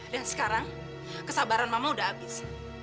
dan sekarang kesabaran mama udah abis